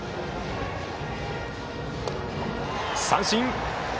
三振。